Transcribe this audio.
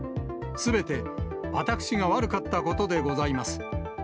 すべて私が悪かったことでございます。